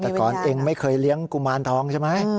แต่ก่อนเองไม่เคยเลี้ยงกุมารทองใช่ไหม